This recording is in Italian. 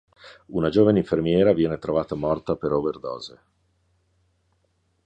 Una giovane infermiera viene trovata morta per overdose.